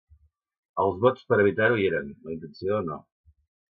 Els vots per evitar-ho hi eren, la intenció no.